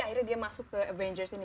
akhirnya dia masuk ke avengers ini